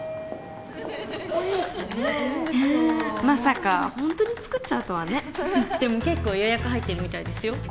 まさかホントに作っちゃうとはねでも結構予約入ってるみたいですよ